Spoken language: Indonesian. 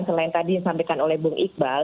selain tadi disampaikan oleh bung iqbal